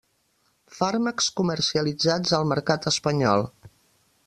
Fàrmacs comercialitzats al mercat espanyol.